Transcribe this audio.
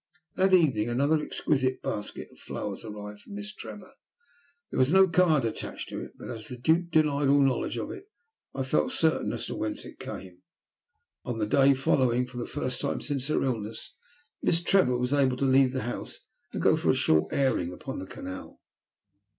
That evening another exquisite basket of flowers arrived for Miss Trevor. There was no card attached to it, but as the Duke denied all knowledge of it, I felt certain as to whence it came. On the day following, for the first time since her illness, Miss Trevor was able to leave the house and to go for a short airing upon the canal.